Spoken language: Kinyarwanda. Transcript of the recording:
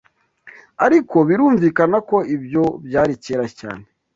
Ariko birumvikana ko ibyo byari kera cyane.